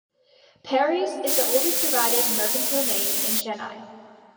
Parry's is the oldest surviving mercantile name in Chennai.